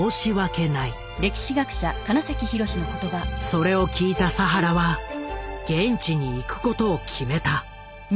それを聞いた佐原は現地に行くことを決めた。